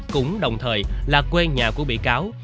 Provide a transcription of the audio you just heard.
cũng đồng thời là quê nhà của bị cáo